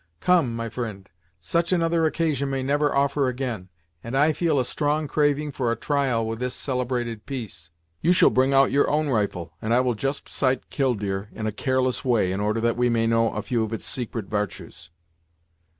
Come, my fri'nd, such another occasion may never offer ag'in, and I feel a strong craving for a trial with this celebrated piece. You shall bring out your own rifle, and I will just sight Killdeer in a careless way, in order that we may know a few of its secret vartues."